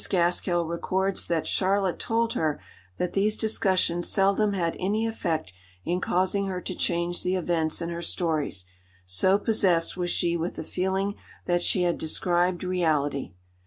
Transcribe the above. Gaskell records that Charlotte told her that these discussions seldom had any effect in causing her to change the events in her stories, "so possessed was she with the feeling that she had described reality."